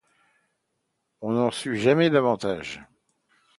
On n’en sut jamais davantage.